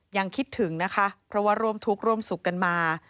ยังคิดถึงนะคะเพราะว่าร่วมทุกข์ร่วมสุขกันมา